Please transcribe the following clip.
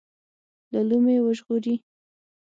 له لومې وژغوري.